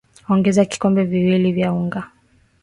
ongeza vikombe viwili vya unga